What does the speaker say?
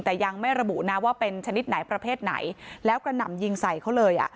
แต่ยังไม่ระบุนะว่าเป็นชนิดไหนประเภทไหนแล้วกระหน่ำยิงใส่เขาเลยอ่ะ